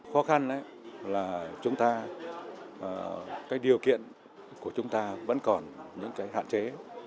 khó khăn là điều kiện của chúng ta vẫn còn những hạn chế